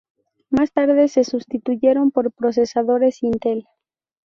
Más tarde se sustituyeron por procesadores Intel.